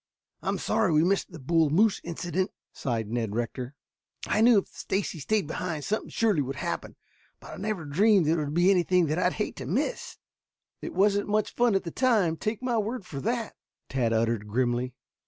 "I'm sorry we missed the bull moose incident," sighed Ned Rector. "I knew that if Stacy stayed behind something surely would happen, but I never dreamed that it would be anything that I'd hate to miss." "It wasn't much fun at the time take my word for that," Tad uttered grimly.